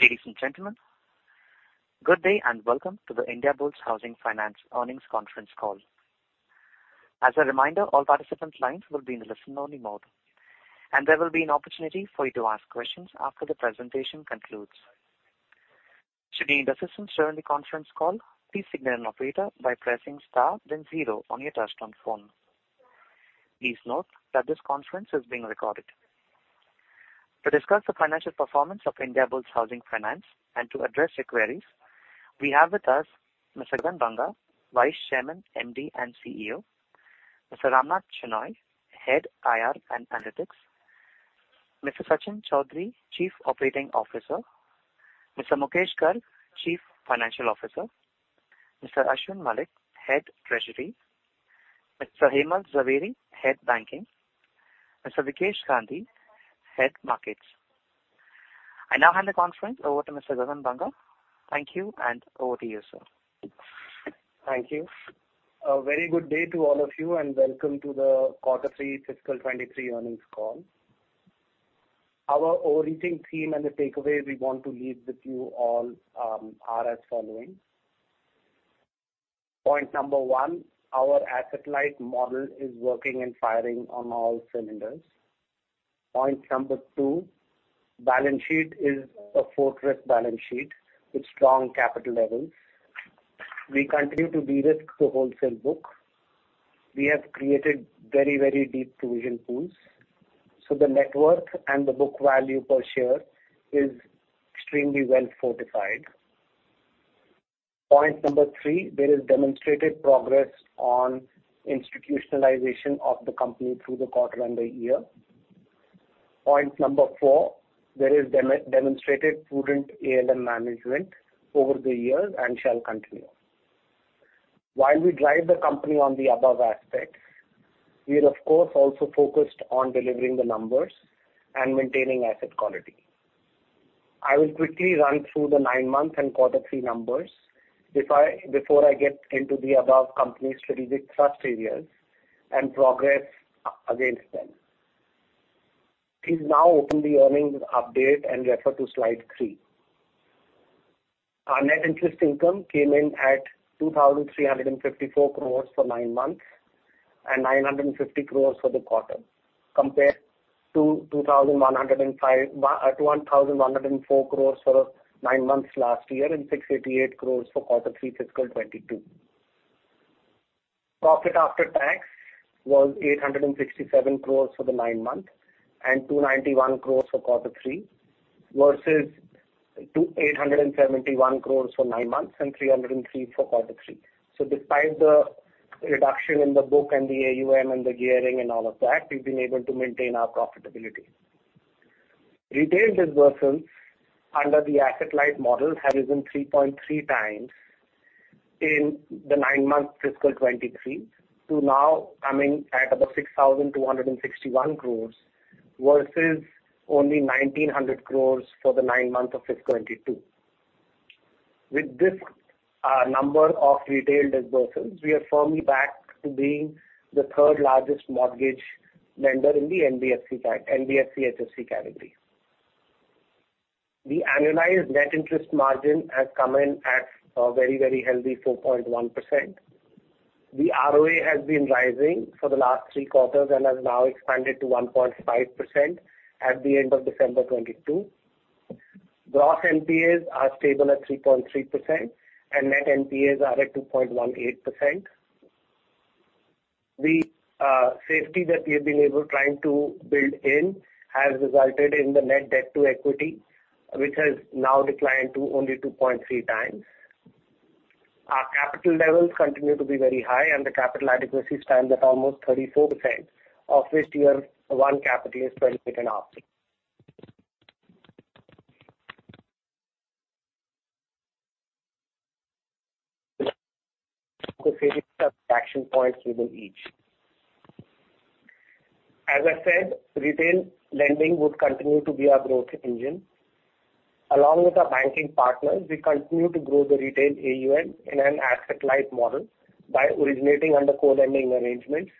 Ladies and gentlemen, good day, and welcome to the Indiabulls Housing Finance earnings conference call. As a reminder, all participants' lines will be in a listen-only mode, and there will be an opportunity for you to ask questions after the presentation concludes. Should you need assistance during the conference call, please signal an operator by pressing star then 0 on your touchtone phone. Please note that this conference is being recorded. To discuss the financial performance of Indiabulls Housing Finance and to address your queries, we have with us Mr. Gagan Banga, Vice Chairman, MD and CEO, Mr. Ramnath Shenoy, Head IR and Analytics, Mr. Sachin Chaudhary, Chief Operating Officer, Mr. Mukesh Garg, Chief Financial Officer, Mr. Ashwin Mallick, Head Treasury, Mr. Hemal Zaveri, Head Banking, Mr. Vikesh Gandhi, Head Markets. I now hand the conference over to Mr. Gagan Banga. Thank you, and over to you, sir. Thank you. A very good day to all of you, welcome to the quarter three fiscal 2023 earnings call. Our overarching theme and the takeaway we want to leave with you all are as following. Point number one, our asset-light model is working and firing on all cylinders. Point number two, balance sheet is a fortress balance sheet with strong capital levels. We continue to de-risk the wholesale book. We have created very, very deep provision pools, so the net worth and the book value per share is extremely well fortified. Point number three, there is demonstrated progress on institutionalization of the company through the quarter and the year. Point number four, there is demonstrated prudent ALM management over the years and shall continue. While we drive the company on the above aspects, we are, of course, also focused on delivering the numbers and maintaining asset quality. I will quickly run through the nine-month and quarter three numbers before I get into the above company strategic thrust areas and progress against them. Please now open the earnings update and refer to slide three. Our net interest income came in at 2,354 crores for nine months and 950 crores for the quarter compared to 1,104 crores for nine months last year and 688 crores for quarter three fiscal 2022. Profit after tax was 867 crores for the nine months and 291 crores for quarter three versus 871 crores for nine months and 303 crores for quarter three. Despite the reduction in the book and the AUM and the gearing and all of that, we've been able to maintain our profitability. Retail disbursements under the asset-light model have risen 3.3 times in the nine-month fiscal 2023 to now coming at about 6,261 crores versus only 1,900 crores for the nine months of fiscal 2022. With this number of retail disbursements, we are firmly back to being the third-largest mortgage lender in the NBFC-HFC category. The annualized net interest margin has come in at a very, very healthy 4.1%. The ROA has been rising for the last three quarters and has now expanded to 1.5% at the end of December 2022. Gross NPAs are stable at 3.3%, and net NPAs are at 2.18%. The safety that we have been able trying to build in has resulted in the net debt to equity, which has now declined to only 2.3 times. Our capital levels continue to be very high, and the capital adequacy stands at almost 34%, of which Tier 1 capital is 28.5%. subtraction points within each. As I said, retail lending would continue to be our growth engine. Along with our banking partners, we continue to grow the retail AUM in an an asset-light model by originating under co-lending arrangements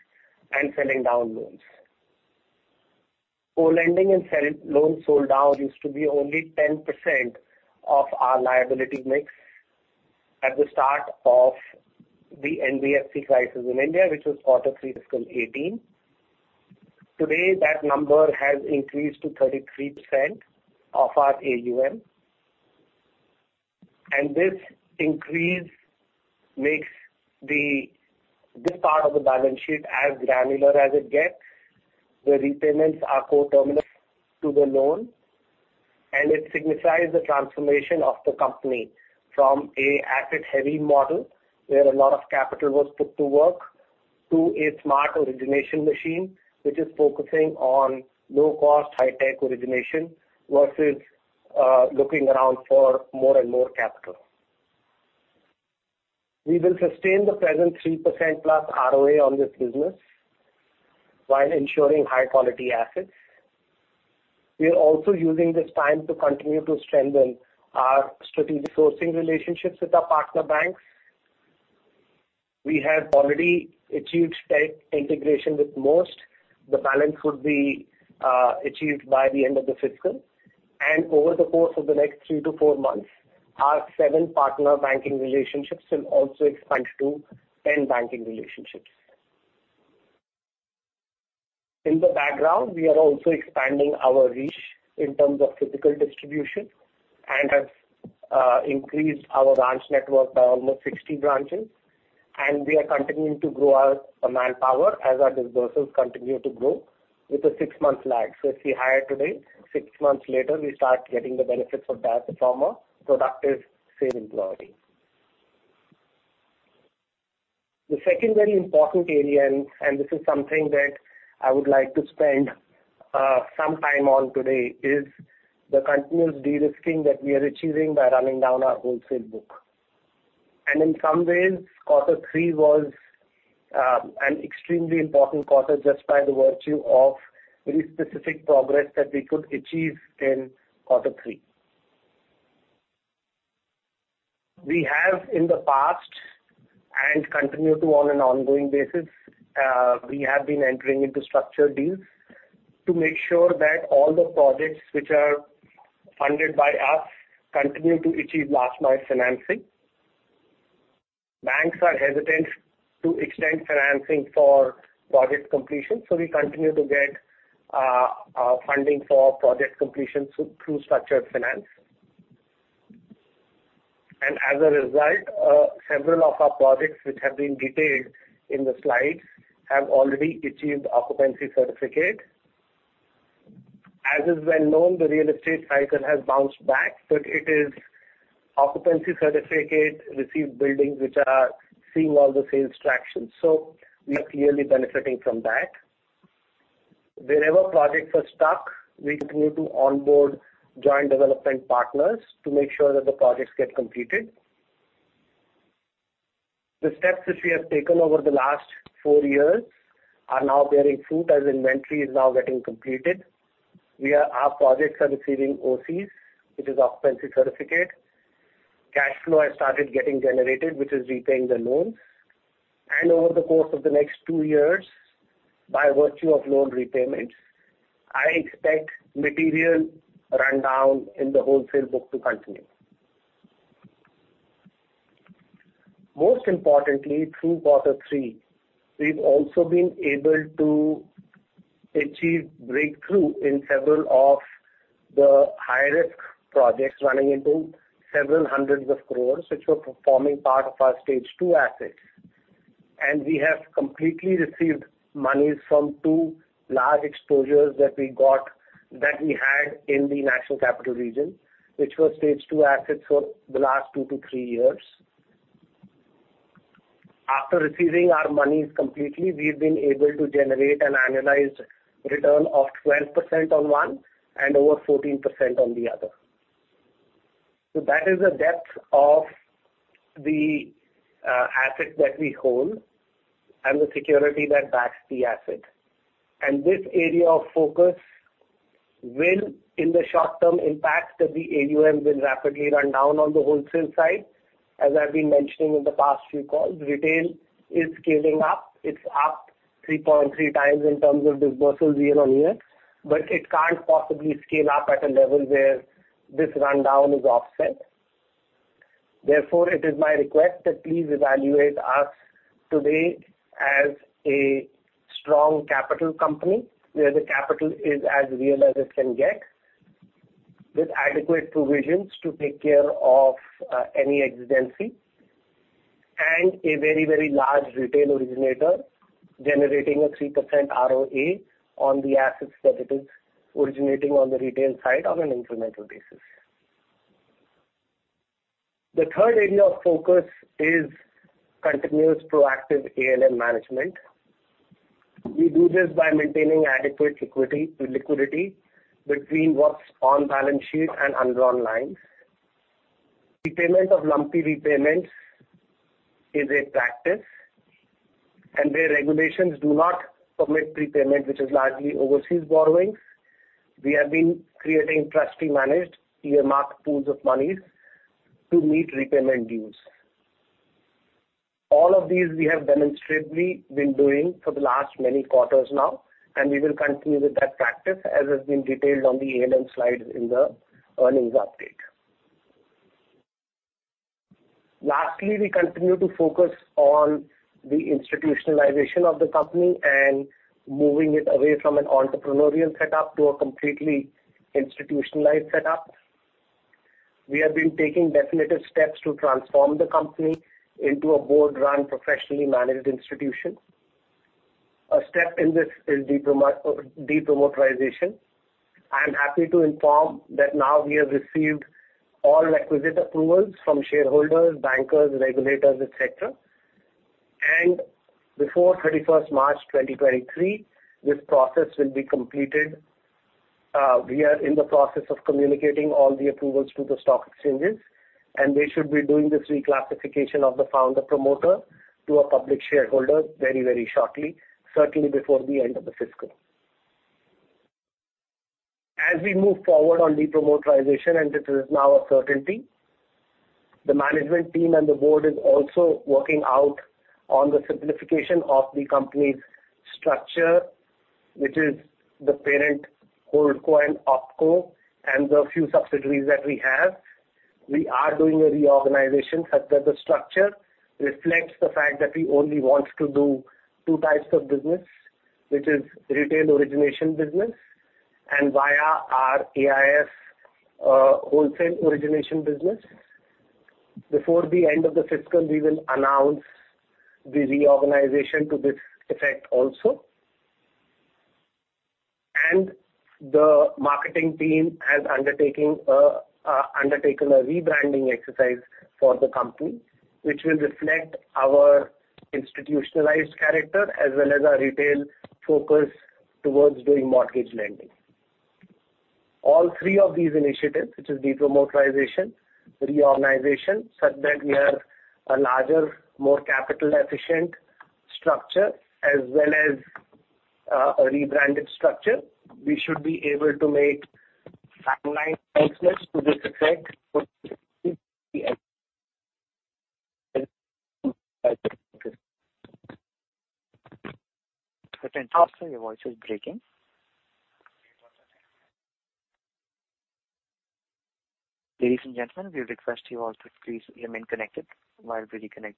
and selling down loans. Co-lending and loans sold down used to be only 10% of our liability mix at the start of the NBFC crisis in India, which was Q3, fiscal 2018. Today, that number has increased to 33% of our AUM. This increase makes this part of the balance sheet as granular as it gets. The repayments are co-terminal to the loan, it signifies the transformation of the company from a asset-heavy model, where a lot of capital was put to work, to a smart origination machine, which is focusing on low cost, high tech origination versus looking around for more and more capital. We will sustain the present 3% plus ROA on this business while ensuring high quality assets. We are also using this time to continue to strengthen our strategic sourcing relationships with our partner banks. We have already achieved tech integration with most. The balance would be achieved by the end of the fiscal. Over the course of the next three to four months, our seven partner banking relationships will also expand to 10 banking relationships. In the background, we are also expanding our reach in terms of physical distribution and have increased our branch network by almost 60 branches. We are continuing to grow our manpower as our disbursements continue to grow with a six-month lag. If we hire today, six months later, we start getting the benefits of that from a productive, same employee. The second very important area, and this is something that I would like to spend some time on today, is the continuous de-risking that we are achieving by running down our wholesale book. In some ways, quarter three was an extremely important quarter just by the virtue of very specific progress that we could achieve in quarter three. We have in the past and continue to on an ongoing basis, we have been entering into structured deals to make sure that all the projects which are funded by us continue to achieve last mile financing. Banks are hesitant to extend financing for project completion, we continue to get funding for project completion through structured finance. As a result, several of our projects which have been detailed in the slides have already achieved occupancy certificate. As is well known, the real estate cycle has bounced back, it is occupancy certificate received buildings which are seeing all the sales traction. We are clearly benefiting from that. Wherever projects are stuck, we continue to onboard joint development partners to make sure that the projects get completed. The steps which we have taken over the last four years are now bearing fruit as inventory is now getting completed. Our projects are receiving OCs, which is occupancy certificate. Cash flow has started getting generated, which is repaying the loans. Over the course of the next two years, by virtue of loan repayments, I expect material rundown in the wholesale book to continue. Most importantly, through quarter three, we've also been able to achieve breakthrough in several of the high-risk projects running into INR several hundreds of crores, which were forming part of our Stage 2 assets. We have completely received monies from two large exposures that we got, that we had in the National Capital Region, which were Stage 2 assets for the last two to three years. After receiving our monies completely, we've been able to generate an annualized return of 12% on one and over 14% on the other. That is the depth of the asset that we hold and the security that backs the asset. This area of focus will, in the short term, impact that the AUM will rapidly run down on the wholesale side, as I've been mentioning in the past few calls. Retail is scaling up. It's up 3.3 times in terms of disbursements year-on-year, but it can't possibly scale up at a level where this rundown is offset. Therefore, it is my request that please evaluate us today as a strong capital company where the capital is as real as it can get, with adequate provisions to take care of any exigency and a very, very large retail originator generating a 3% ROA on the assets that it is originating on the retail side on an incremental basis. The third area of focus is continuous proactive ALM management. We do this by maintaining adequate liquidity between what's on balance sheet and undrawn lines. Repayment of lumpy repayments is a practice, and where regulations do not permit prepayment, which is largely overseas borrowings, we have been creating trustee managed earmarked pools of monies to meet repayment dues. All of these we have demonstrably been doing for the last many quarters now, and we will continue with that practice as has been detailed on the ALM slides in the earnings update. Lastly, we continue to focus on the institutionalization of the company and moving it away from an entrepreneurial setup to a completely institutionalized setup. We have been taking definitive steps to transform the company into a board-run, professionally managed institution. A step in this is depromoterisation. I am happy to inform that now we have received all requisite approvals from shareholders, bankers, regulators, et cetera. Before 31st March 2023, this process will be completed. We are in the process of communicating all the approvals to the stock exchanges. They should be doing this reclassification of the founder promoter to a public shareholder very, very shortly, certainly before the end of the fiscal. As we move forward on depromoterisation, and this is now a certainty, the management team and the board is also working out on the simplification of the company's structure, which is the parent holdco and opco and the few subsidiaries that we have. We are doing a reorganization such that the structure reflects the fact that we only want to do two types of business, which is retail origination business and via our AIF wholesale origination business. Before the end of the fiscal, we will announce the reorganization to this effect also. The marketing team has undertaken a rebranding exercise for the company, which will reflect our institutionalized character as well as our retail focus towards doing mortgage lending. All three of these initiatives, which is de-promoterization, reorganization, such that we have a larger, more capital efficient structure as well as a rebranded structure. We should be able to make bottom line excellence to this effect for Mr. Gagan, your voice is breaking. Ladies and gentlemen, we request you all to please remain connected while we reconnect.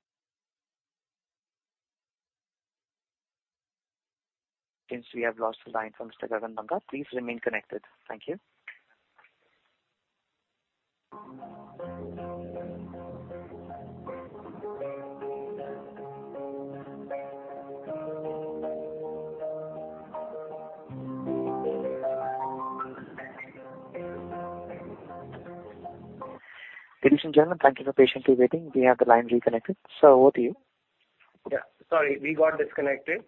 Since we have lost the line from Mr. Gagan Banga, please remain connected. Thank you. Ladies and gentlemen, thank you for patiently waiting. We have the line reconnected. Sir, over to you. Yeah. Sorry, we got disconnected.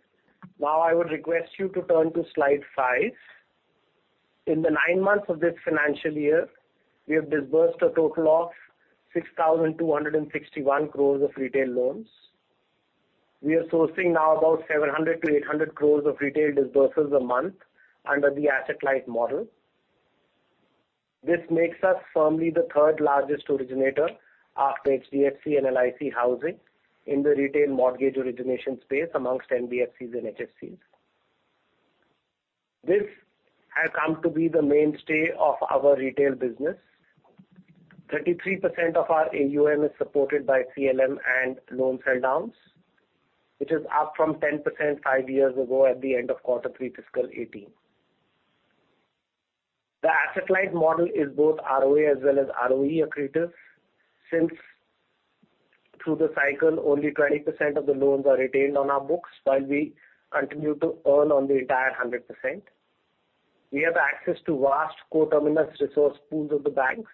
I would request you to turn to slide five. In the nine months of this financial year, we have disbursed a total of 6,261 crores of retail loans. We are sourcing now about 700 crores-800 crores of retail disbursements a month under the asset-light model. This makes us firmly the third-largest originator after HDFC and LIC Housing in the retail mortgage origination space amongst NBFCs and HFCs. This has come to be the mainstay of our retail business. 33% of our AUM is supported by CLM and loan sell-downs, which is up from 10% five years ago at the end of quarter three fiscal 2018. The asset-light model is both ROA as well as ROE accretive since through the cycle, only 20% of the loans are retained on our books while we continue to earn on the entire 100%. We have access to vast co-terminous resource pools of the banks,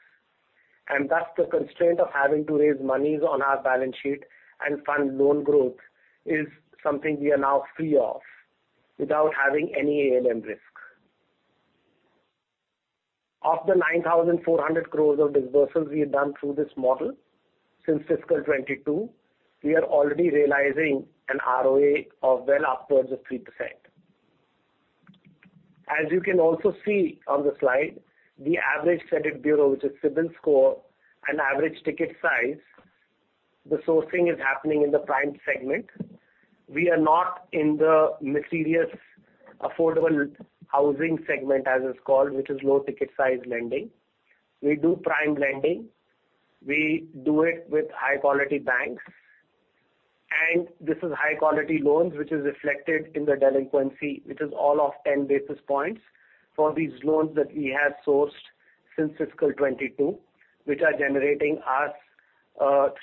and thus the constraint of having to raise monies on our balance sheet and fund loan growth is something we are now free of without having any ANM risk. Of the 9,400 crore of disbursements we have done through this model since fiscal 2022, we are already realizing an ROA of well upwards of 3%. As you can also see on the slide, the average credit bureau, which is CIBIL Score, and average ticket size, the sourcing is happening in the prime segment. We are not in the mysterious affordable housing segment as it's called, which is low ticket size lending. We do prime lending. We do it with high-quality banks. This is high-quality loans, which is reflected in the delinquency, which is all of 10 basis points for these loans that we have sourced since fiscal 2022, which are generating us 3%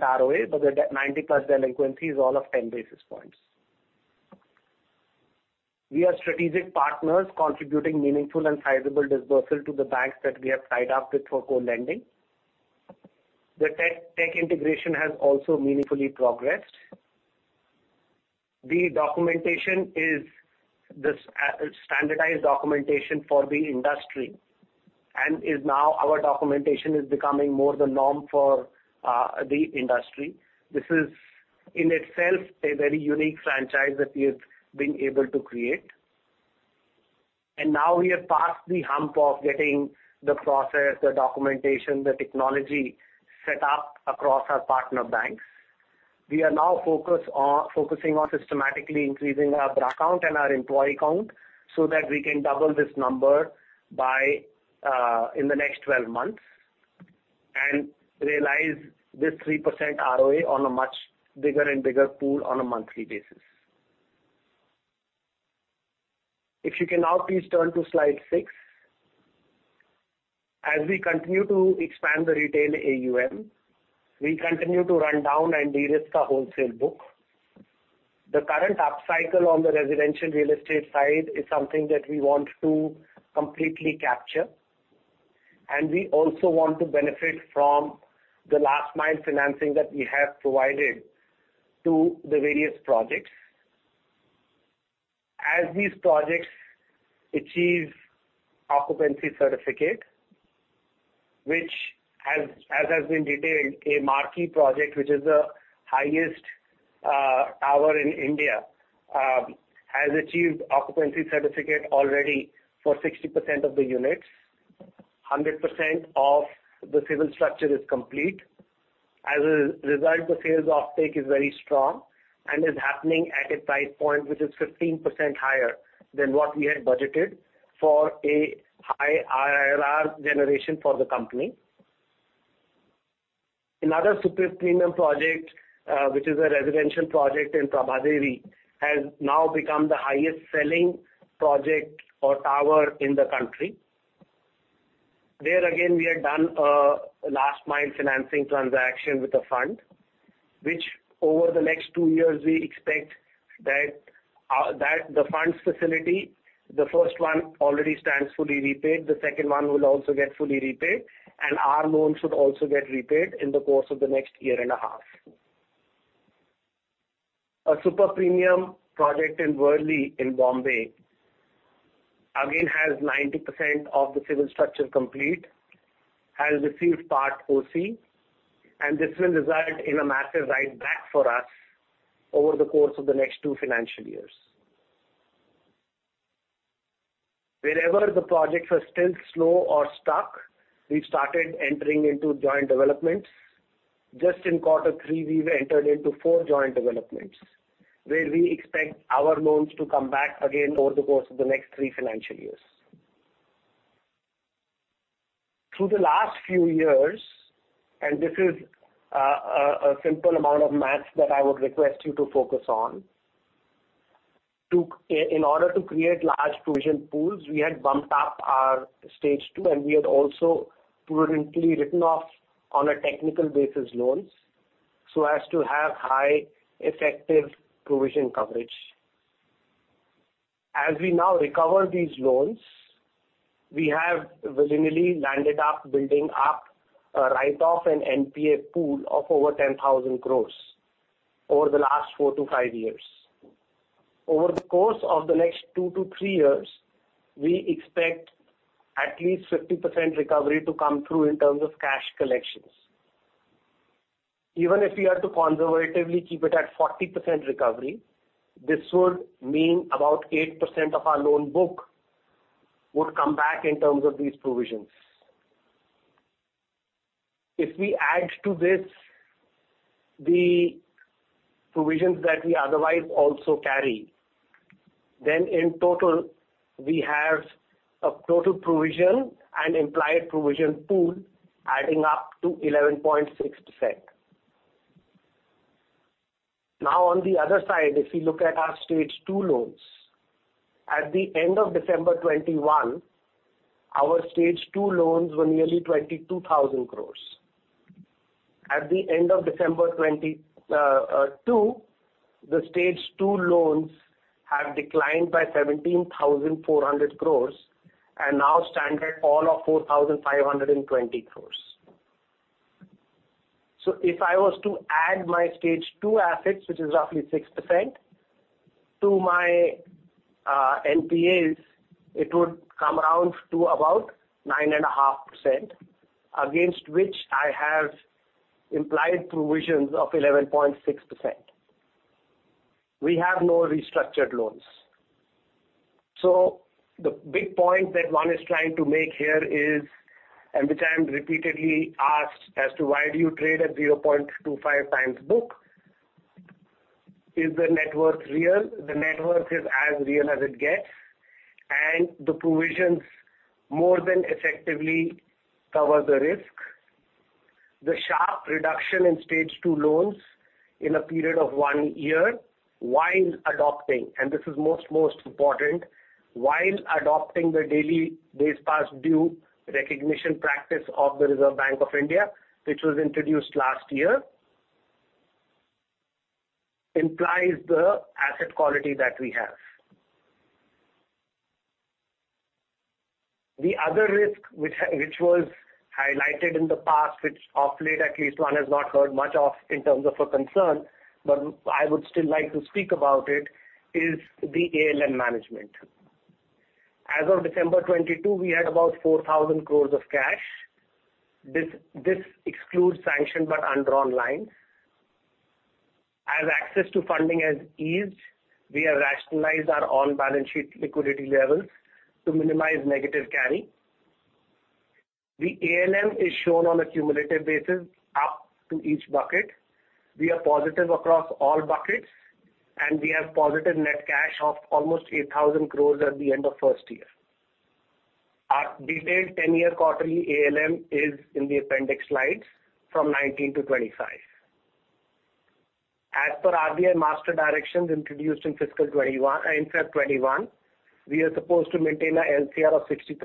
ROA, but the 90 plus delinquency is all of 10 basis points. We are strategic partners contributing meaningful and sizable dispersal to the banks that we have tied up with for co-lending. The tech integration has also meaningfully progressed. The documentation is this a-standardized documentation for the industry and is now our documentation is becoming more the norm for the industry. This is in itself a very unique franchise that we have been able to create. Now we have passed the hump of getting the process, the documentation, the technology set up across our partner banks. We are now focusing on systematically increasing our BR account and our employee count so that we can double this number in the next 12 months and realize this 3% ROA on a much bigger and bigger pool on a monthly basis. If you can now please turn to slide 6. As we continue to expand the retail AUM, we continue to run down and derisk our wholesale book. The current upcycle on the residential real estate side is something that we want to completely capture, and we also want to benefit from the last-mile financing that we have provided to the various projects. As these projects achieve occupancy certificate, which has, as has been detailed, a marquee project, which is the highest tower in India, has achieved occupancy certificate already for 60% of the units. 100% of the civil structure is complete. As a result, the sales offtake is very strong and is happening at a price point which is 15% higher than what we had budgeted for a high IRRR generation for the company. Another super premium project, which is a residential project in Prabhadevi, has now become the highest selling project or tower in the country. There again, we have done a last mile financing transaction with a fund, which over the next 2 years, we expect that the funds facility, the 1st one already stands fully repaid, the 2nd one will also get fully repaid, and our loan should also get repaid in the course of the next year and a half. A super premium project in Worli in Bombay, again has 90% of the civil structure complete, has received part OC, and this will result in a massive write back for us over the course of the next 2 financial years. Wherever the projects are still slow or stuck, we've started entering into joint developments. Just in Q3, we've entered into 4 joint developments, where we expect our loans to come back again over the course of the next 3 financial years. The last few years, this is a simple amount of maths that I would request you to focus on. In order to create large provision pools, we had bumped up our Stage 2, and we had also prudently written off on a technical basis loans, so as to have high effective provision coverage. As we now recover these loans, we have willingly landed up building up a write-off and NPA pool of over 10,000 crores over the last four to five years. Over the course of the next two to three years, we expect at least 50% recovery to come through in terms of cash collections. Even if we have to conservatively keep it at 40% recovery, this would mean about 8% of our loan book would come back in terms of these provisions. If we add to this the provisions that we otherwise also carry, in total, we have a total provision and implied provision pool adding up to 11.6%. On the other side, if you look at our Stage 2 loans, at the end of December 2021, our Stage 2 loans were nearly 22,000 crores. At the end of December 2022, the Stage 2 loans have declined by 17,400 crores and now stand at all of 4,520 crores. If I was to add my Stage 2 assets, which is roughly 6% to my NPAs, it would come around to about 9.5%, against which I have implied provisions of 11.6%. We have no restructured loans. The big point that one is trying to make here is, and which I am repeatedly asked as to why do you trade at 0.25 times book? Is the net worth real? The net worth is as real as it gets, and the provisions more than effectively cover the risk. The sharp reduction in Stage 2 loans in a period of one year while adopting, and this is most important, while adopting the daily days past due recognition practice of the Reserve Bank of India, which was introduced last year, implies the asset quality that we have. The other risk which was highlighted in the past, which of late at least one has not heard much of in terms of a concern, but I would still like to speak about it, is the ALM management. As of December 2022, we had about 4,000 crores of cash. This excludes sanction but undrawn lines. As access to funding has eased, we have rationalized our on-balance sheet liquidity levels to minimize negative carry. The ALM is shown on a cumulative basis up to each bucket. We are positive across all buckets, and we have positive net cash of almost 8,000 crores at the end of first year. Our detailed 10-year quarterly ALM is in the appendix slides from 2019 to 2025. As per RBI Master Directions introduced in fiscal 2021, in February 2021, we are supposed to maintain a LCR of 60%.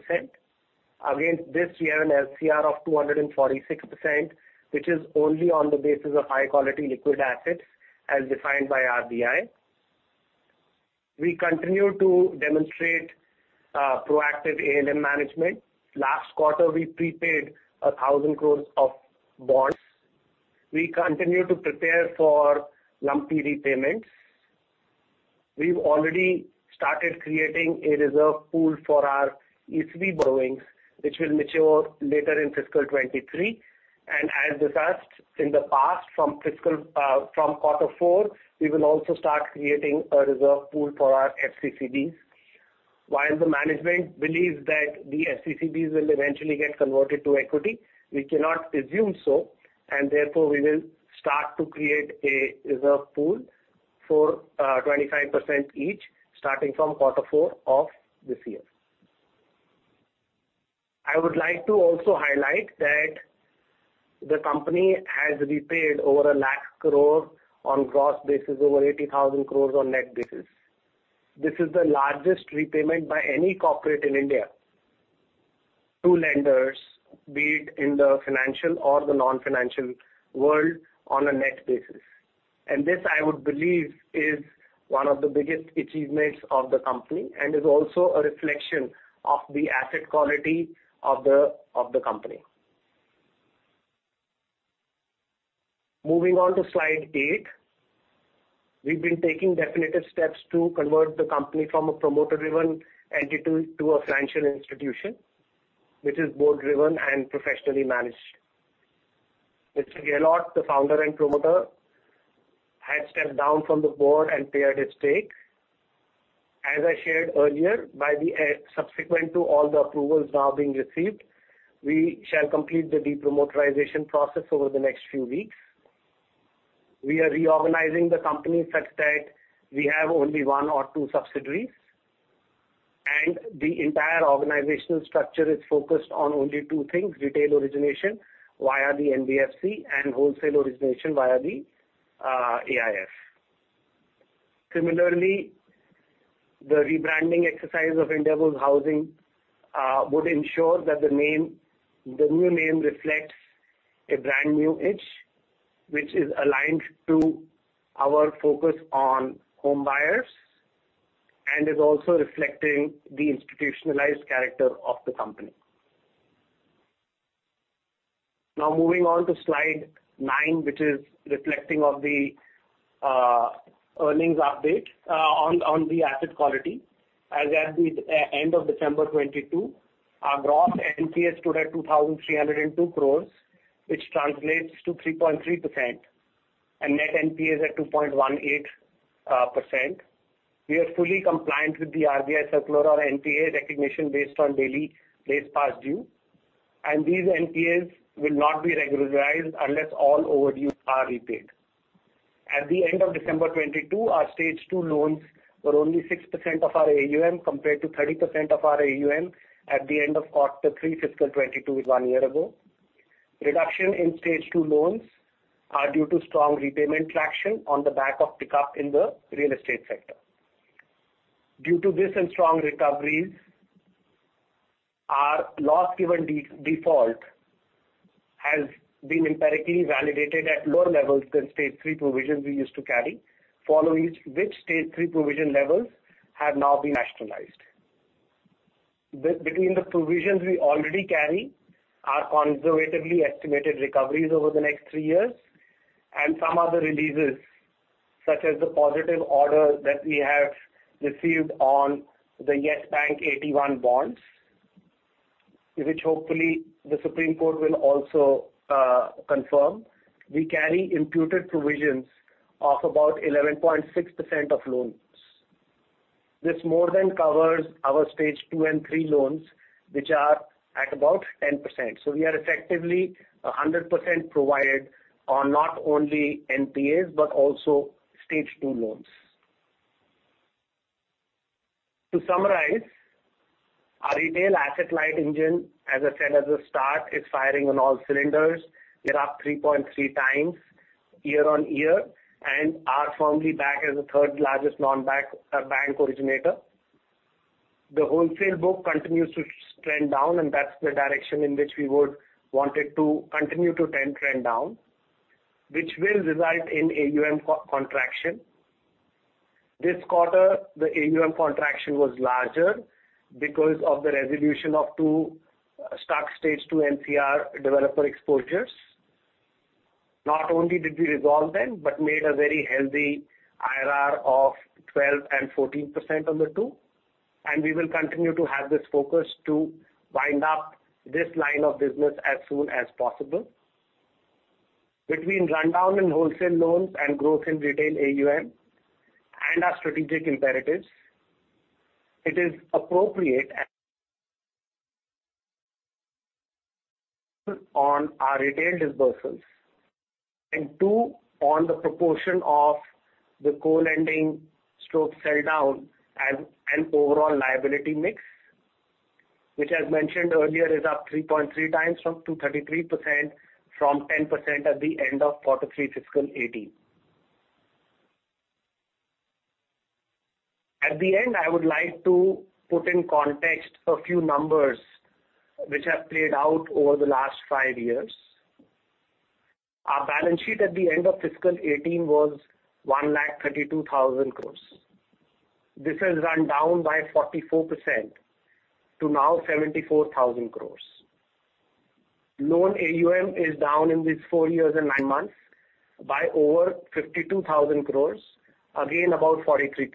Against this, we have an LCR of 246%, which is only on the basis of high-quality liquid assets as defined by RBI. We continue to demonstrate proactive ALM management. Last quarter, we prepaid 1,000 crores of bonds. We continue to prepare for lumpy repayments. We've already started creating a reserve pool for our ECB borrowings, which will mature later in fiscal 2023. As discussed in the past, from quarter four, we will also start creating a reserve pool for our FCCBs. While the management believes that the FCCBs will eventually get converted to equity, we cannot assume so, and therefore, we will start to create a reserve pool for 25% each starting from quarter four of this year. I would like to also highlight that the company has repaid over 1 lakh crore on gross basis, over 80,000 crores on net basis. This is the largest repayment by any corporate in India to lenders, be it in the financial or the non-financial world on a net basis. This, I would believe, is one of the biggest achievements of the company and is also a reflection of the asset quality of the company. Moving on to slide eight. We've been taking definitive steps to convert the company from a promoter-driven entity to a financial institution, which is board-driven and professionally managed. Mr. Gehlaut, the founder and promoter, has stepped down from the board and cleared his stake. As I shared earlier, subsequent to all the approvals now being received, we shall complete the de-promoterisation process over the next few weeks. We are reorganizing the company such that we have only one or two subsidiaries, and the entire organizational structure is focused on only two things: retail origination via the NBFC and wholesale origination via the AIF. Similarly, the rebranding exercise of Indiabulls Housing would ensure that the name, the new name reflects a brand new image which is aligned to our focus on home buyers, and is also reflecting the institutionalized character of the company. Moving on to slide nine, which is reflecting of the earnings update on the asset quality. As at the end of December 2022, our gross NPAs stood at 2,302 crores, which translates to 3.3%, and net NPAs at 2.18%. We are fully compliant with the RBI circular on NPA recognition based on daily days past due, and these NPAs will not be regularized unless all overdue are repaid. At the end of December 2022, our Stage 2 loans were only 6% of our AUM compared to 30% of our AUM at the end of Q3 fiscal 2022 one year ago. Reduction in Stage 2 loans are due to strong repayment traction on the back of pickup in the real estate sector. Due to this and strong recoveries, our loss given default has been empirically validated at lower levels than Stage 3 provisions we used to carry, following which Stage 3 provision levels have now been nationalized. Between the provisions we already carry are conservatively estimated recoveries over the next three years and some other releases, such as the positive order that we have received on the Yes Bank AT-1 bonds, which hopefully the Supreme Court will also confirm. We carry imputed provisions of about 11.6% of loans. This more than covers our Stage 2 and Stage 3 loans, which are at about 10%. We are effectively 100% provided on not only NPAs, but also Stage 2 loans. To summarize, our retail asset-light engine, as I said at the start, is firing on all cylinders. We're up 3.3 times year-on-year and are firmly back as the third-largest non-bank bank originator. The wholesale book continues to trend down, and that's the direction in which we would want it to continue to then trend down, which will result in AUM contraction. This quarter, the AUM contraction was larger because of the resolution of two stuck Stage 2 NCR developer exposures. Not only did we resolve them, but made a very healthy IRR of 12% and 14% on the two, and we will continue to have this focus to wind up this line of business as soon as possible. Between rundown in wholesale loans and growth in retail AUM and our strategic imperatives, it is appropriate on our retail disbursements, and two, on the proportion of the co-lending stroke sell down and overall liability mix, which as mentioned earlier, is up 3.3 times from 233% from 10% at the end of quarter three fiscal 2018. At the end, I would like to put in context a few numbers which have played out over the last five years. Our balance sheet at the end of fiscal 2018 was 1,32,000 crores. This has run down by 44% to now 74,000 crores. Loan AUM is down in these four years and nine months by over 52,000 crores, again about 43%.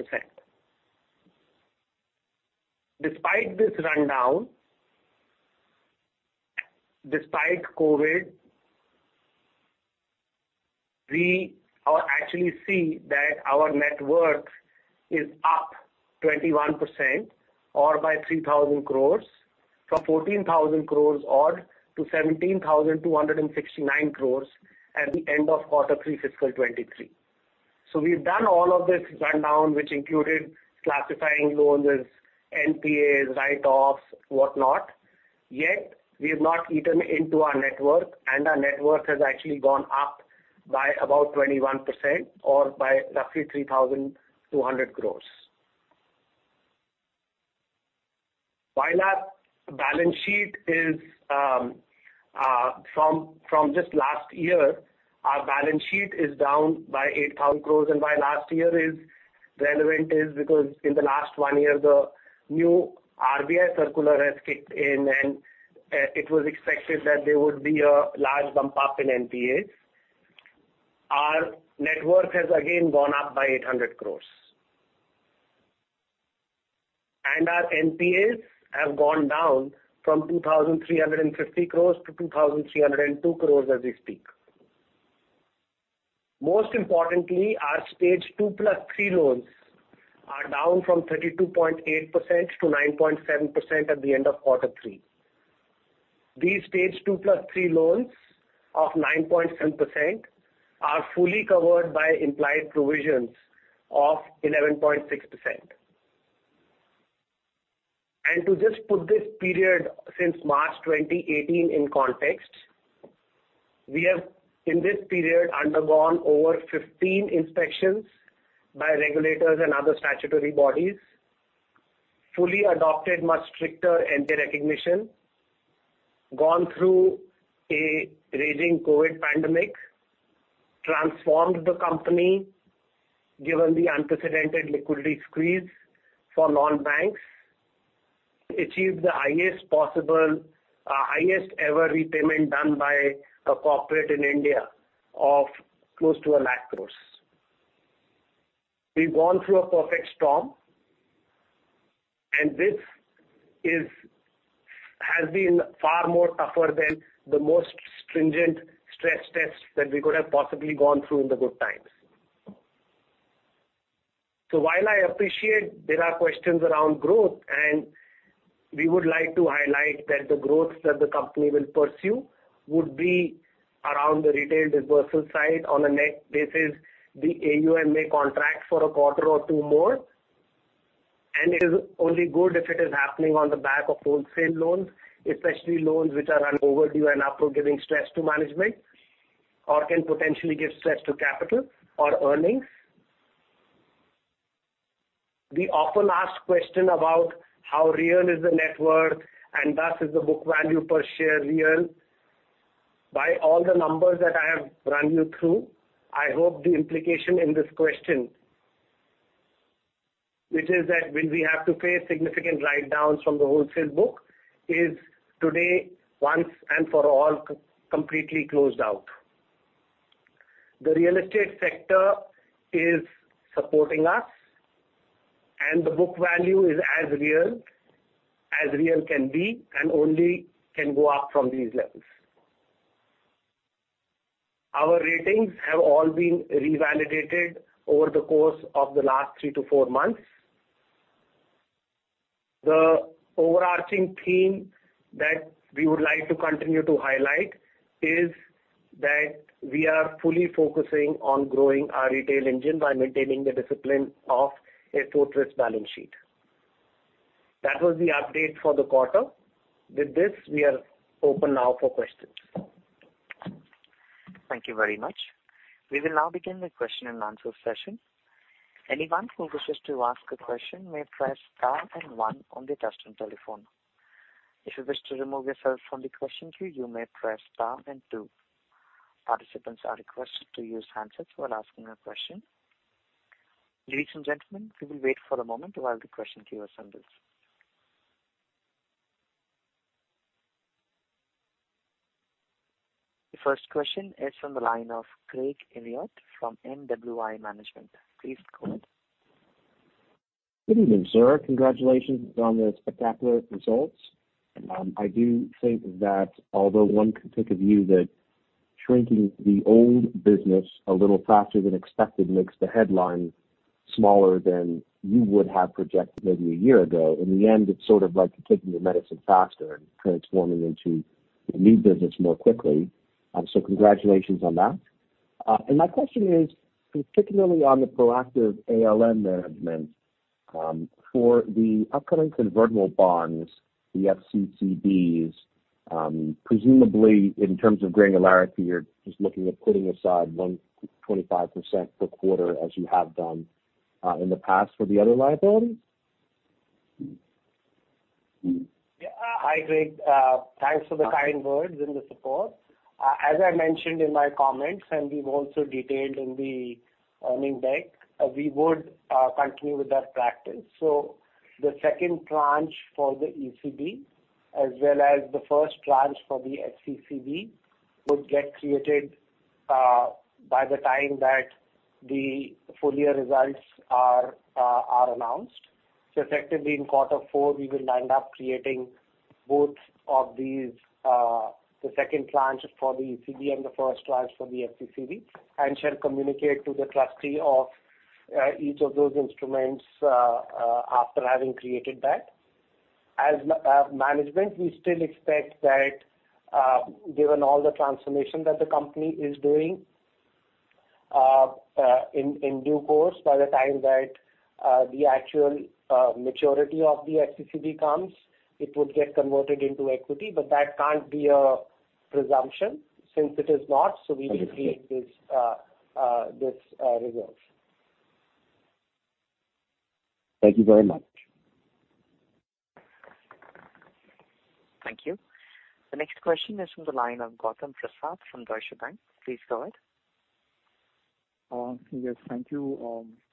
Despite this rundown, despite COVID, we are actually see that our net worth is up 21% or by 3,000 crores from 14,000 crores odd to 17,269 crores at the end of Q3 fiscal 2023. We've done all of this rundown, which included classifying loans as NPAs, write-offs, whatnot, yet we have not eaten into our net worth, and our net worth has actually gone up by about 21% or by roughly 3,200 crores. While our balance sheet is just last year, our balance sheet is down by 8,000 crores. Why last year is relevant is because in the last one year, the new RBI circular has kicked in. It was expected that there would be a large bump up in NPAs. Our net worth has again gone up by 800 crores. Our NPAs have gone down from 2,350 crores to 2,302 crores as we speak. Most importantly, our Stage 2 + 3 loans are down from 32.8% to 9.7% at the end of quarter three. These Stage 2 + 3 loans of 9.7% are fully covered by implied provisions of 11.6%. To just put this period since March 2018 in context, we have, in this period, undergone over 15 inspections by regulators and other statutory bodies, fully adopted much stricter NPA recognition, gone through a raging COVID pandemic, transformed the company given the unprecedented liquidity squeeze for non-banks, achieved the highest possible, highest ever repayment done by a corporate in India of close to 1 lakh crore. We've gone through a perfect storm, and this has been far more tougher than the most stringent stress tests that we could have possibly gone through in the good times. While I appreciate there are questions around growth, and we would like to highlight that the growth that the company will pursue would be around the retail dispersal side on a net basis, the AUM may contract for a quarter or two more. It is only good if it is happening on the back of wholesale loans, especially loans which are run overdue and are giving stress to management or can potentially give stress to capital or earnings. The often asked question about how real is the net worth and thus is the book value per share real? By all the numbers that I have run you through, I hope the implication in this question, which is that will we have to pay significant write-downs from the wholesale book, is today once and for all completely closed out. The real estate sector is supporting us, and the book value is as real, as real can be and only can go up from these levels. Our ratings have all been revalidated over the course of the last three to four months. The overarching theme that we would like to continue to highlight is that we are fully focusing on growing our retail engine by maintaining the discipline of a fortress balance sheet. That was the update for the quarter. With this, we are open now for questions. Thank you very much. We will now begin the question and answer session. Anyone who wishes to ask a question may press star and one on their touchtone telephone. If you wish to remove yourself from the question queue, you may press star and two. Participants are requested to use handsets while asking a question. Ladies and gentlemen, we will wait for a moment while the question queue assembles. The first question is from the line of Craig Elliott from NWI Management. Please go ahead. Good evening, sir. Congratulations on the spectacular results. I do think that although one could take a view that shrinking the old business a little faster than expected makes the headline smaller than you would have projected maybe a year ago. In the end, it's sort of like taking your medicine faster and transforming into the new business more quickly. Congratulations on that. My question is particularly on the proactive ALM management for the upcoming convertible bonds, the FCCBs, presumably in terms of granularity, you're just looking at putting aside 125% per quarter as you have done in the past for the other liabilities? Hi, Greg. Thanks for the kind words and the support. As I mentioned in my comments, and we've also detailed in the earning deck, we would continue with that practice. The second tranche for the ECB as well as the first tranche for the FCCB would get created by the time that the full year results are announced. Effectively in quarter four we will wind up creating both of these, the second tranche for the ECB and the first tranche for the FCCB, and shall communicate to the trustee of each of those instruments after having created that. As management, we still expect that, given all the transformation that the company is doing, in due course by the time that the actual maturity of the FCCB comes, it would get converted into equity. That can't be a presumption since it is not, we need to create this reserve. Thank you very much. Thank you. The next question is from the line of Gautam Prasad from Deutsche Bank. Please go ahead. Yes, thank you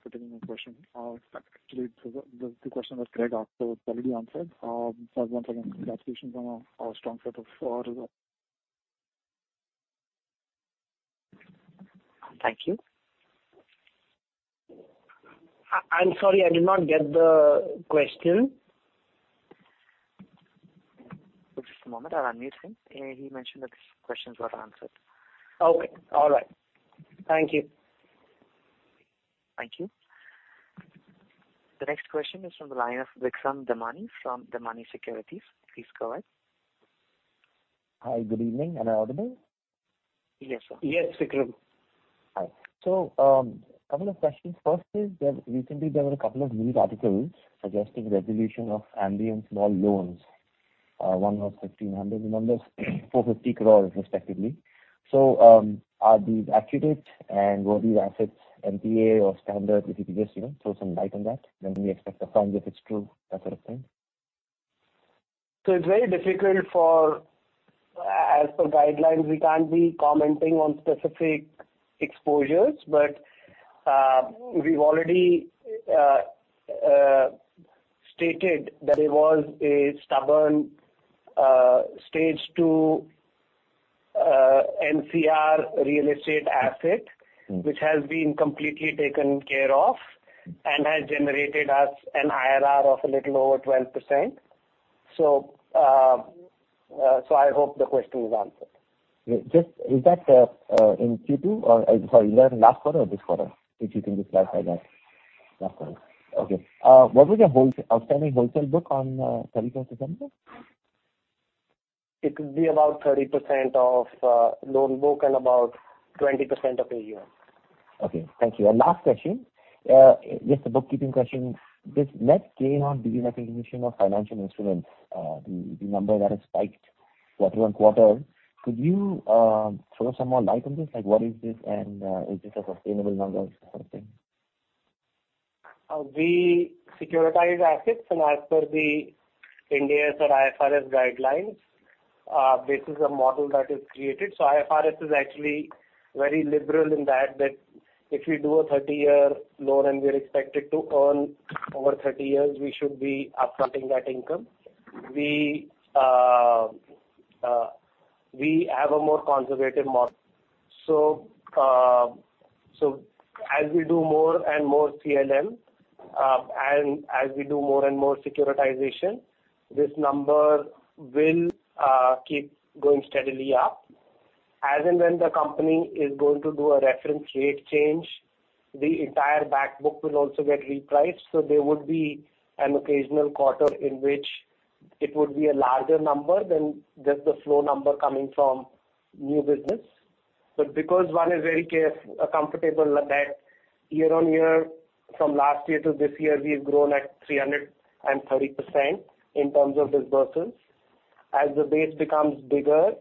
for taking my question. Actually, the question that Greg asked was already answered. Just once again, congratulations on a strong set of results. Thank you. I'm sorry I did not get the question. Just a moment. I'll unmute him. Yeah, he mentioned that his questions were answered. Okay. All right. Thank you. Thank you. The next question is from the line of Vikram Damani from Damani Securities. Please go ahead. Hi. Good evening. Am I audible? Yes, sir. Yes, Vikram. Hi. Couple of questions. First is that recently there were a couple of news articles suggesting resolution of Ambience Mall loans. One was 1,500 numbers, 450 crore respectively. Are these accurate and will these assets NPA or standard if you could just, you know, throw some light on that? When we expect the funds if it's true, that sort of thing. It's very difficult for. As per guidelines, we can't be commenting on specific exposures. We've already stated that it was a stubborn Stage 2 NCR real estate asset. Mm-hmm. -which has been completely taken care of and has generated us an IRR of a little over 12%. So I hope the question is answered. Just is that in Q2 or... Sorry, either last quarter or this quarter? If you can just clarify that. Last quarter. Okay. What was your outstanding wholesale book on 31st December? It could be about 30% of loan book and about 20% of AUM. Okay, thank you. Last question, just a bookkeeping question. This net gain on deal recognition of financial instruments, the number that has spiked quarter-on-quarter, could you throw some more light on this? Like, what is this and, is this a sustainable number sort of thing? We securitize assets and as per the Ind AS or IFRS guidelines, this is a model that is created. IFRS is actually very liberal in that if we do a 30-year loan and we're expected to earn over 30 years, we should be up-fronting that income. We have a more conservative model. As we do more and more CLM, and as we do more and more securitization, this number will keep going steadily up. As and when the company is going to do a reference rate change, the entire back book will also get repriced. There would be an occasional quarter in which it would be a larger number than just the flow number coming from new business. Because one is very comfortable that year-on-year from last year to this year we've grown at 330% in terms of disbursements. As the base becomes bigger,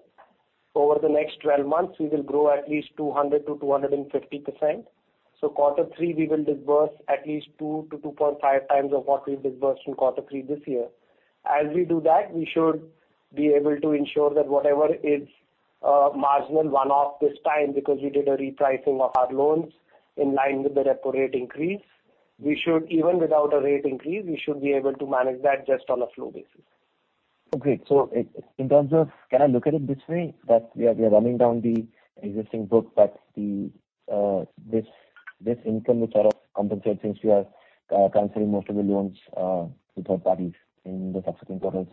over the next 12 months we will grow at least 200%-250%. Quarter three we will disburse at least 2-2.5 times of what we disbursed in quarter three this year. As we do that, we should be able to ensure that whatever is marginal one-off this time because we did a repricing of our loans in line with the repo rate increase, even without a rate increase, we should be able to manage that just on a flow basis. Okay. Can I look at it this way? We are running down the existing book, the this income which sort of compensates since you are transferring most of the loans to third parties in the subsequent quarters.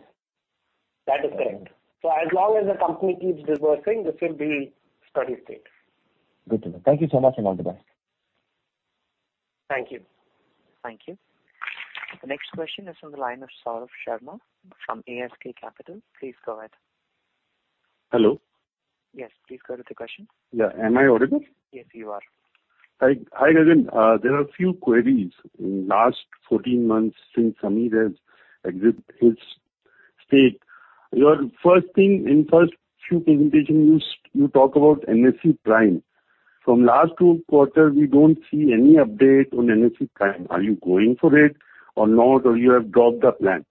That is correct. Okay. As long as the company keeps disbursing, this will be steady state. Good to know. Thank you so much, and all the best. Thank you. Thank you. The next question is on the line of Saurabh Sharma from ASK Capital. Please go ahead. Hello? Yes, please go with the question. Yeah. Am I audible? Yes, you are. Hi. Hi, Gagan. There are a few queries. In last 14 months since Sameer has exited his stake, your first thing in first few presentation you talk about NSE Prime. From last two quarters, we don't see any update on NSE Prime. Are you going for it or not, or you have dropped the plan?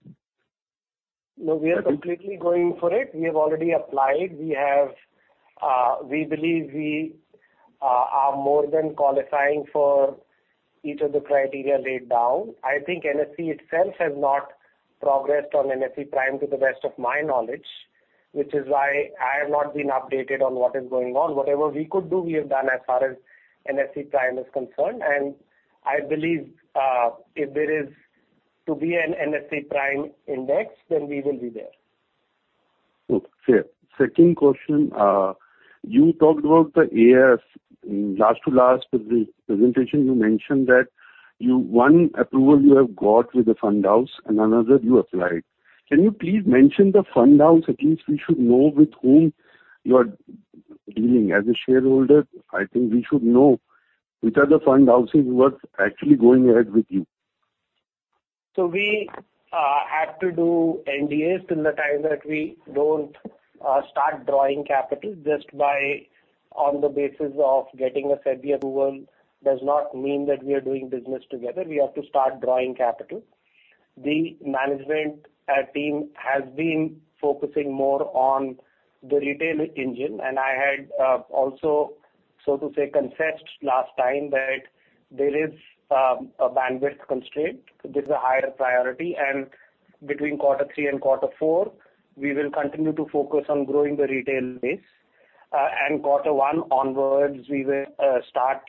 No, we are completely going for it. We have already applied. We have, we believe we are more than qualifying for each of the criteria laid down. I think NSE itself has not progressed on NSE Prime to the best of my knowledge, which is why I have not been updated on what is going on. Whatever we could do, we have done as far as NSE Prime is concerned, and I believe, if there is to be an NSE Prime index, then we will be there. Okay. Second question. You talked about the AIF. Last to last presentation, you mentioned that one approval you have got with the fund house and another you applied. Can you please mention the fund house? At least we should know with whom you are dealing. As a shareholder, I think we should know which are the fund houses who are actually going ahead with you. We have to do NDAs till the time that we don't start drawing capital just by on the basis of getting a SEBI approval does not mean that we are doing business together. We have to start drawing capital. The management team has been focusing more on the retail engine. I had also, so to say, confessed last time that there is a bandwidth constraint. This is a higher priority. Between quarter three and quarter four, we will continue to focus on growing the retail base. Quarter one onwards, we will start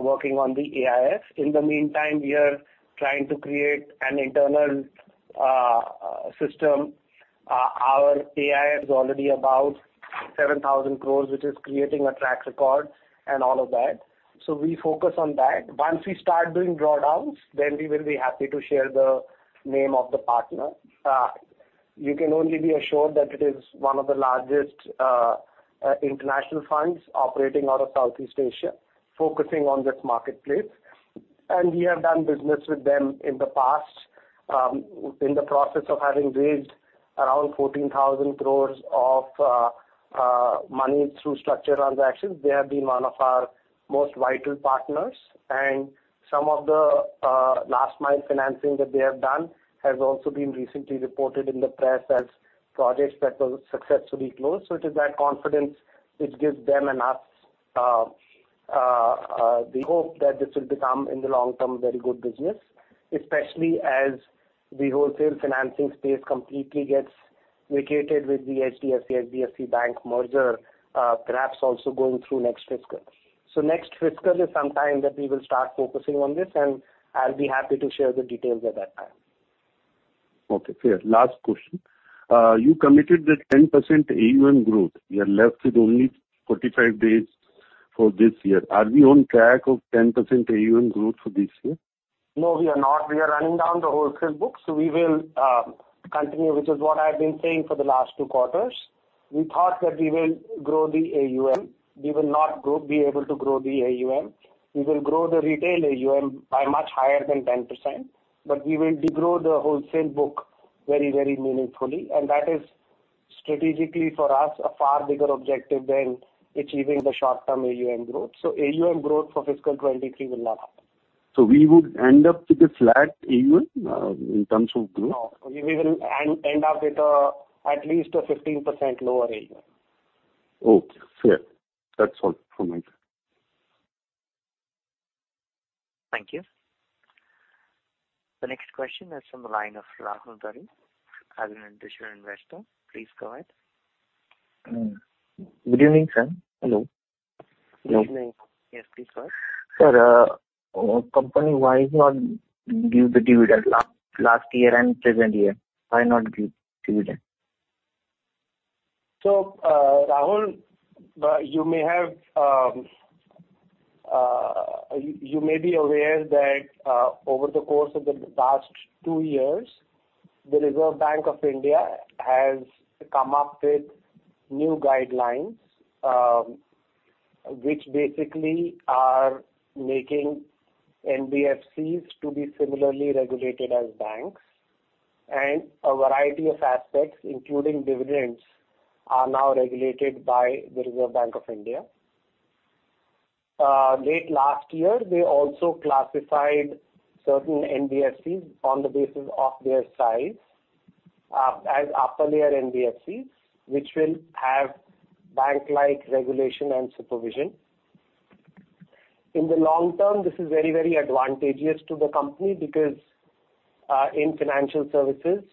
working on the AIF. In the meantime, we are trying to create an internal system. Our AIF is already about 7,000 crores, which is creating a track record and all of that. We focus on that. Once we start doing drawdowns, we will be happy to share the name of the partner. You can only be assured that it is one of the largest international funds operating out of Southeast Asia, focusing on this marketplace. We have done business with them in the past. In the process of having raised around 14,000 crores of money through structured transactions, they have been one of our most vital partners. Some of the last mile financing that they have done has also been recently reported in the press as projects that were successfully closed. It is that confidence which gives them and us the hope that this will become, in the long term, very good business, especially as the wholesale financing space completely gets vacated with the HDFC, HDFC Bank merger, perhaps also going through next fiscal. Next fiscal is some time that we will start focusing on this, and I'll be happy to share the details at that time. Okay, fair. Last question. You committed that 10% AUM growth. You are left with only 45 days for this year. Are we on track of 10% AUM growth for this year? No, we are not. We are running down the wholesale books. We will continue, which is what I've been saying for the last two quarters. We thought that we will grow the AUM. We will not be able to grow the AUM. We will grow the retail AUM by much higher than 10%, but we will de-grow the wholesale book very, very meaningfully. That is strategically for us a far bigger objective than achieving the short-term AUM growth. AUM growth for fiscal 2023 will not happen. We would end up with a flat AUM, in terms of growth? No. We will end up with at least a 15% lower AUM. Okay, fair. That's all from my side. Thank you. The next question is from the line of Rahul Tayari, an individual investors. Please go ahead. Good evening, sir. Hello? Hello. Good evening. Yes, please go ahead. Sir, company, why is not give the dividend last year and present year? Why not give dividend? Rahul, you may be aware that over the course of the past two years, the Reserve Bank of India has come up with new guidelines, which basically are making NBFCs to be similarly regulated as banks. A variety of aspects, including dividends, are now regulated by the Reserve Bank of India. Late last year, they also classified certain NBFCs on the basis of their size, as Upper Layer NBFCs, which will have bank-like regulation and supervision. In the long term, this is very, very advantageous to the company because in financial services,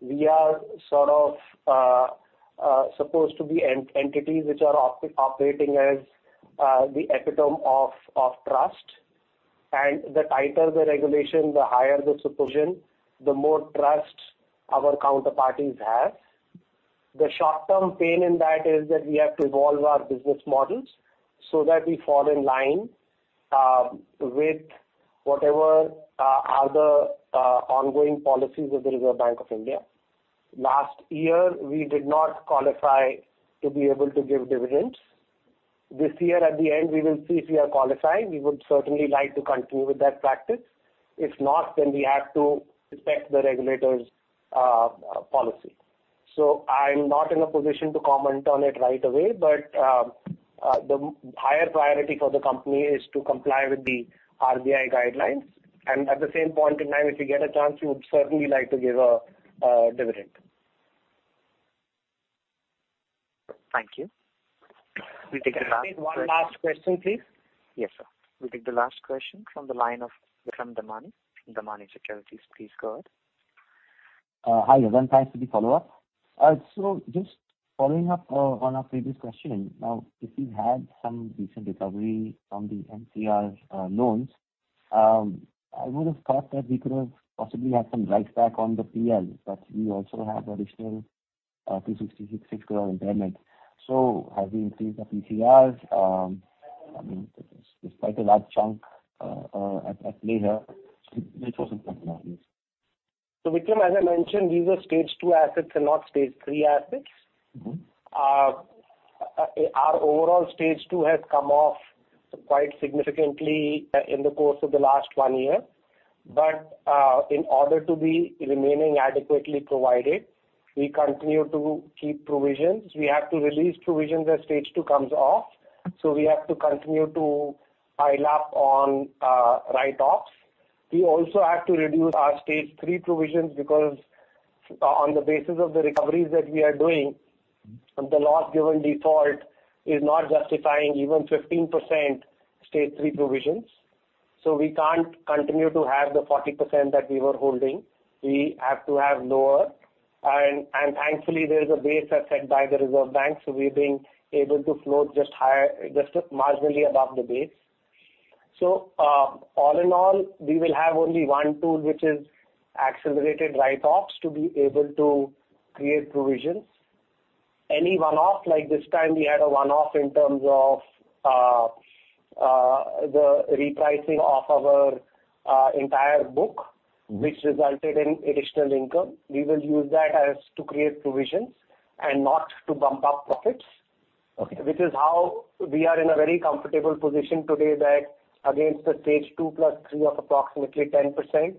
we are sort of entities which are operating as the epitome of trust. The tighter the regulation, the higher the supervision, the more trust our counterparties have. The short term pain in that is that we have to evolve our business models so that we fall in line with whatever are the ongoing policies of the Reserve Bank of India. Last year, we did not qualify to be able to give dividends. This year at the end, we will see if we are qualified. We would certainly like to continue with that practice. If not, then we have to respect the regulator's policy. I'm not in a position to comment on it right away, but the higher priority for the company is to comply with the RBI guidelines and at the same point in time, if we get a chance, we would certainly like to give a dividend. Thank you. We take the last question. Can I take one last question, please? Yes, sir. We take the last question from the line of Vikram Damani Securities. Please go ahead. Hi, everyone. Thanks for the follow-up. Just following up on a previous question, now, if we had some recent recovery from the NCR loans, I would have thought that we could have possibly had some write back on the PL, we also have additional 366 crore impairment. Have we increased the PCRs? I mean, it's quite a large chunk at leisure which was important for us. Vikram, as I mentioned, these are Stage 2 assets and not Stage 3 assets. Mm-hmm. Our overall Stage 2 has come off quite significantly in the course of the last one year. In order to be remaining adequately provided, we continue to keep provisions. We have to release provisions as Stage 2 comes off. We have to continue to pile up on write-offs. We also have to reduce our Stage 3 provisions because on the basis of the recoveries that we are doing. Mm-hmm. the loss given default is not justifying even 15% Stage 3 provisions. We can't continue to have the 40% that we were holding. We have to have lower. Thankfully there is a base asset by the Reserve Bank, so we've been able to float just higher, just marginally above the base. All in all, we will have only one tool, which is accelerated write-offs to be able to create provisions. Any one-off like this time we had a one-off in terms of the repricing of our entire book- Mm-hmm. which resulted in additional income. We will use that as to create provisions and not to bump up profits. Okay. Which is how we are in a very comfortable position today that against the Stage 2 + 3 of approximately 10%,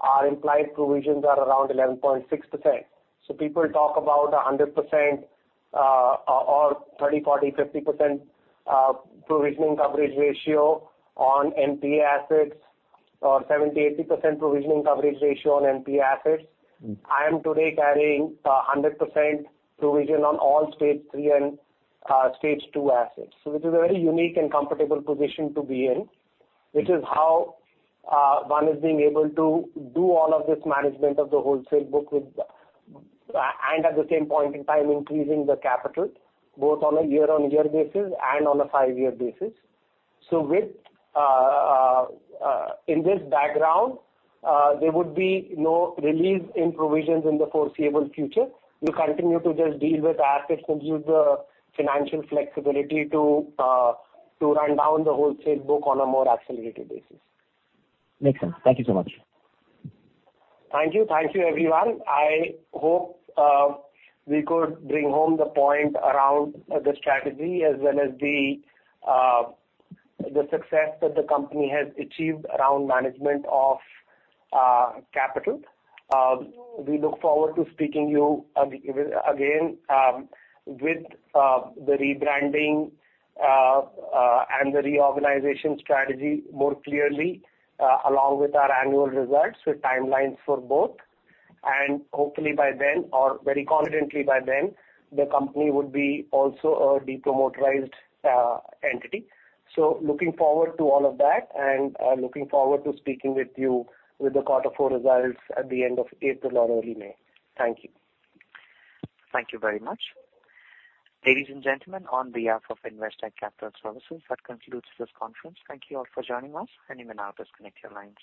our implied provisions are around 11.6%. People talk about 100%, or 30%, 40%, 50% provisioning coverage ratio on NPA assets or 70%, 80% provisioning coverage ratio on NPA assets. Mm-hmm. I am today carrying 100% provision on all Stage 3 and Stage 2 assets. This is a very unique and comfortable position to be in, which is how one is being able to do all of this management of the wholesale book with and at the same point in time increasing the capital both on a year-on-year basis and on a five-year basis. With in this background, there would be no relief in provisions in the foreseeable future. We'll continue to just deal with assets and use the financial flexibility to to run down the wholesale book on a more accelerated basis. Makes sense. Thank you so much. Thank you. Thank you, everyone. I hope we could bring home the point around the strategy as well as the success that the company has achieved around management of capital. We look forward to speaking you again with the rebranding and the reorganization strategy more clearly along with our annual results with timelines for both. Hopefully by then, or very confidently by then, the company would be also a de-promoterized entity. Looking forward to all of that and looking forward to speaking with you with the quarter four results at the end of April or early May. Thank you. Thank you very much. Ladies and gentlemen, on behalf of Investec Capital Services, that concludes this conference. Thank you all for joining us. You may now disconnect your lines.